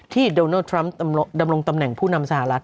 โดนัลดทรัมป์ดำรงตำแหน่งผู้นำสหรัฐ